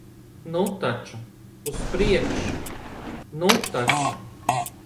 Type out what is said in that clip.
Nu taču, uz priekšu. Nu taču!